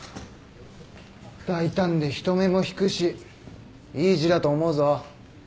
大胆で人目も引くしいい字だと思うぞ。